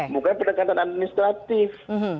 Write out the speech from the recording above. mungkin pendekatan administratif